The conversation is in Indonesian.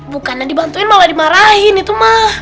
bukannya dibantuin malah dimarahin itu mah